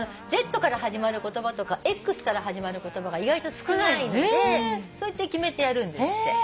Ｚから始まる言葉とかＸから始まる言葉が意外と少ないのでそうやって決めてやるんですって。